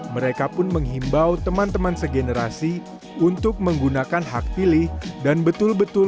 mereka pun menghimbau teman teman segenerasi untuk menggunakan hak pilih dan betul betul